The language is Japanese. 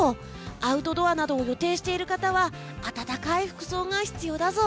アウトドアなどを予定している方は暖かい服装が必要だぞ！